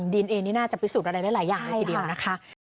ดินเองนี่น่าจะพิสูจน์อะไรได้หลายอย่างเลยทีเดียวนะคะ